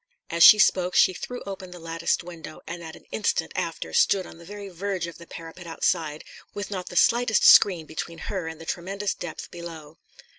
As she spoke she threw open the latticed window, and in an instant after stood on the very verge of the parapet outside, with not the slightest screen between her and the tremendous depth below.